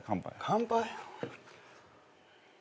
乾杯？